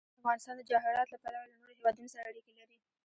افغانستان د جواهرات له پلوه له نورو هېوادونو سره اړیکې لري.